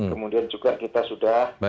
kemudian juga kita sudah